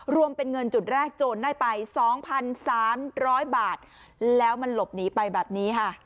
รวมเป็นเงินจุดแรกโจรได้ไป๒๓๐๐บาทแล้วมันหลบหนีไปแบบนี้ค่ะ